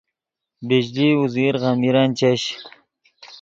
بجلی اوزیر غمیرن چش